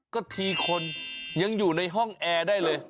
ก็ทีคนยังอยู่ในห้องแอร์ได้เลย